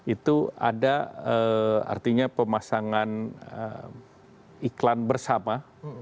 itu ada artinya pemasangan iklan bersama